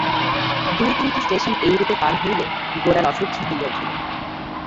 দুই-তিনটি station এইরূপে পার হইলে গোরার অসহ্য হইয়া উঠিল।